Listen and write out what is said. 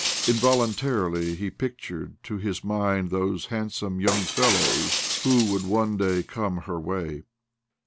Involuntarily he pictured to his mind those handsome young fellows who would one day come her way.